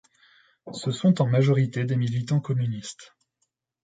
Ce sont en majorité des militants communistes.